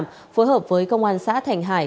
phối hợp với công an xã thành hải